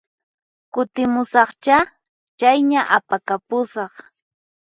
Kutimusaqchá, chayña apakapusaq